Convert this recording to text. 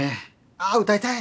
あ歌いたい！